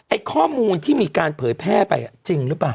ข้อมูลที่มีการเผยแพร่ไปจริงหรือเปล่า